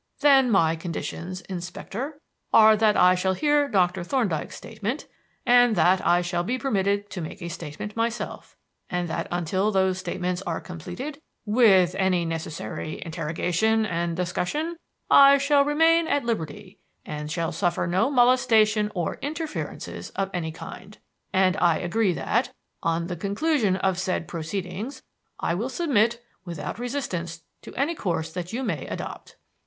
Then my conditions, Inspector, are that I shall hear Doctor Thorndyke's statement and that I shall be permitted to make a statement myself, and that until those statements are completed, with any necessary interrogation and discussion, I shall remain at liberty and shall suffer no molestation or interference of any kind. And I agree that, on the conclusion of the said proceedings, I will submit without resistance to any course that you may adopt."